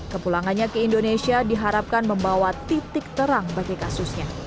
kepulangannya ke indonesia diharapkan membawa titik terang bagi kasusnya